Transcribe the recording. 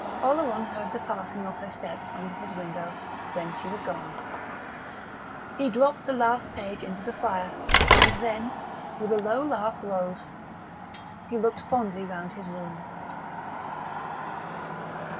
Oleron heard the passing of her steps under his window; then she was gone. He dropped the last page into the fire, and then, with a low laugh rose. He looked fondly round his room.